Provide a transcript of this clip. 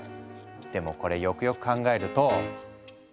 でもこれよくよく考えると。